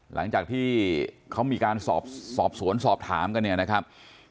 หลังจากที่เขามีการสอบสวนสอบถามกันเนี่ยนะครับ